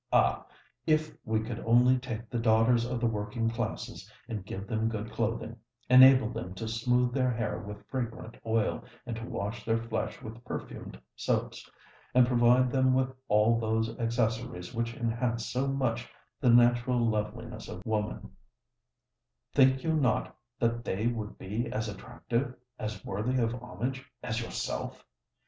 Ah! if we could only take the daughters of the working classes, and give them good clothing,—enable them to smooth their hair with fragrant oil, and to wash their flesh with perfumed soaps,—and provide them with all those accessories which enhance so much the natural loveliness of woman, think you not that they would be as attractive—as worthy of homage—as yourself?